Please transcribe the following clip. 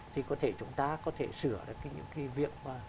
thì có thể chúng ta có thể sửa được những cái việc mà